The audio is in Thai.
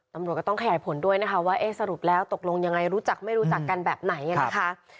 ตำรวจก็ต้องขยายผลด้วยนะคะว่าเอ๊ะสรุปแล้วตกลงยังไงรู้จักไม่รู้จักกันแบบไหนนะคะ